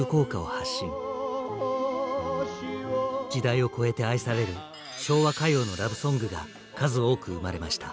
時代を超えて愛される「昭和歌謡のラブソング」が数多く生まれました。